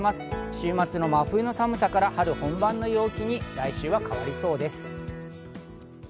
週末の真冬の寒さから春本番の陽気に来週は変わりそうです。